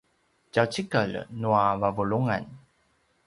tjaucikel nua vavulungan